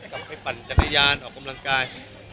กลับไปปั่นจักรยานออกกำลังกาย